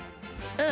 うん。